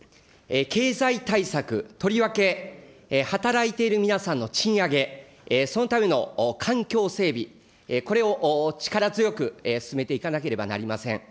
経済対策、とりわけ働いている皆さんの賃上げ、そのための環境整備、これを力強く進めていかなければなりません。